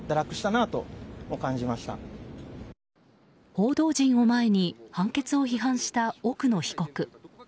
報道陣を前に判決を批判した奥野被告。